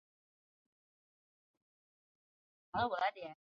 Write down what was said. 山达基赞助了多种社会服务计画。